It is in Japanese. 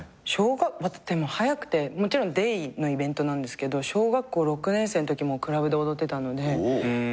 でも早くてもちろんデイのイベントなんですけど小学校６年生のときクラブで踊ってたので。